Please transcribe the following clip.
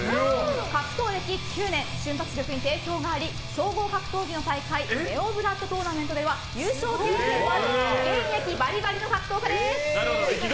格闘歴９年瞬発力に定評があり総合格闘技の大会ネオブラッド・トーナメントでは優勝経験もある現役バリバリの格闘家です。